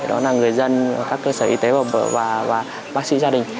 đó là người dân các cơ sở y tế ở và bác sĩ gia đình